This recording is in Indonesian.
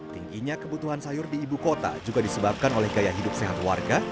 tingginya kebutuhan sayur di ibu kota juga disebabkan oleh gaya hidup sehat warga